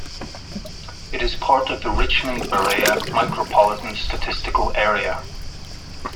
It is part of the Richmond-Berea Micropolitan Statistical Area.